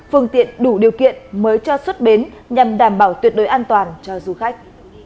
phương tiện đủ điều kiện mới cho xuất bến nhằm đảm bảo tuyệt đối an toàn cho du khách